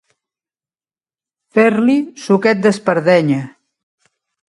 Fer-li suquet d'espardenya.